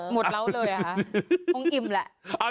หมดเล้าเลยค่ะผมอิ่มแหละ